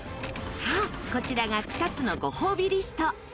さあこちらが草津のご褒美リスト。